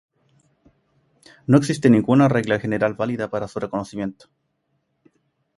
No existe ninguna regla general válida para su reconocimiento.